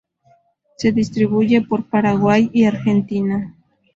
Se distribuye por Paraguay y Argentina.